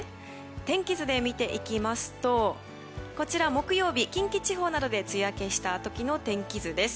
天気図で見ていきますとこちら木曜日近畿地方などで梅雨明けした時の天気図です。